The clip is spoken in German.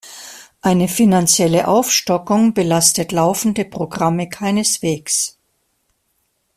Eine finanzielle Aufstockung belastet laufende Programme keineswegs.